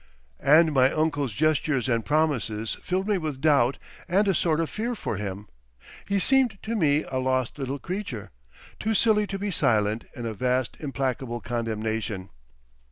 And my uncle's gestures and promises filled me with doubt and a sort of fear for him. He seemed to me a lost little creature, too silly to be silent, in a vast implacable condemnation.